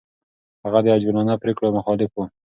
هغه د عجولانه پرېکړو مخالف و.